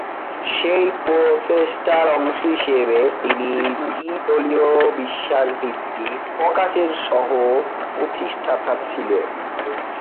সেই প্রচেষ্টার অংশ হিসেবে, তিনি দ্বিদলীয় বিশ্বাস ভিত্তিক ককাসের সহ-প্রতিষ্ঠাতা ছিলেন।